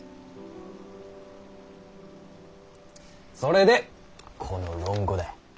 それでこの「論語」だ。